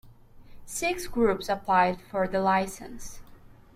Six groups applied for the license.